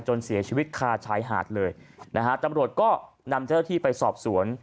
เสียชีวิตคาชายหาดเลยนะฮะตำรวจก็นำเจ้าหน้าที่ไปสอบสวน